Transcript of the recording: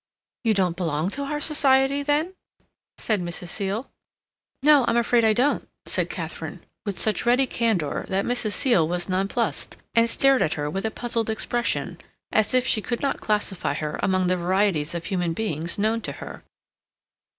"You don't belong to our society, then?" said Mrs. Seal. "No, I'm afraid I don't," said Katharine, with such ready candor that Mrs. Seal was nonplussed, and stared at her with a puzzled expression, as if she could not classify her among the varieties of human beings known to her.